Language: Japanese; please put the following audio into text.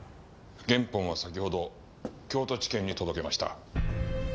原本は先ほど京都地検に届けました。